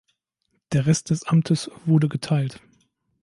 Der Rest des Amtes wurde geteilt.